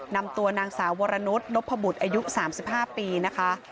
นำตัวนางสาววรนุษย์นพบุตรอายุ๓๕ปีนะคะ